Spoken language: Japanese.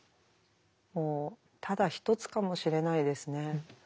もうただ一つかもしれないですね。